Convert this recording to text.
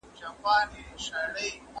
اوس پایلې ښيي چې پیوندول یوه ښه لاره ده.